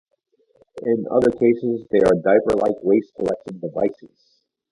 In other cases, they are diaperlike waste collection devices.